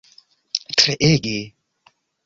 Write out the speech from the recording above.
treege